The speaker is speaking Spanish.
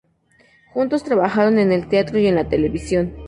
Juntos trabajaron en el teatro y en la televisión.